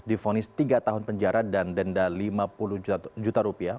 difonis tiga tahun penjara dan denda lima puluh juta rupiah